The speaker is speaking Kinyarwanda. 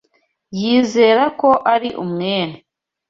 Yizera ko ari umwere.